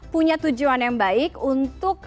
punya tujuan yang baik untuk